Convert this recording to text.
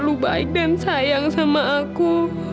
terus selalu baik dan sayang sama aku